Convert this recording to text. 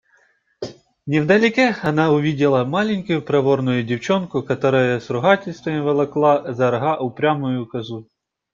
Невдалеке она увидела маленькую проворную девчонку, которая с ругательствами волокла за рога упрямую козу.